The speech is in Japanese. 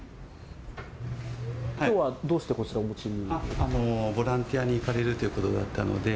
きょうはどうしてこちらをお持ちに？